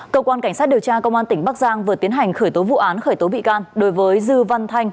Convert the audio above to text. cơ quan cảnh sát điều tra công an tỉnh bắc giang vừa tiến hành khởi tố vụ án khởi tố bị can đối với dư văn thanh